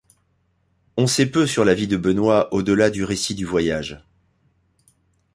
On sait peu sur la vie de Benoît au-delà du récit du voyage.